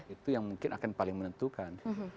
itu yang mungkin akan paling menentukan